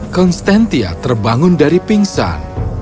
konstantia terbangun dari pingsan